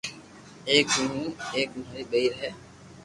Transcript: ايڪ ھون ھون ايڪ ماري ڀيئير ھي